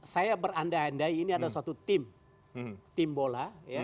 saya berandai andai ini ada suatu tim tim bola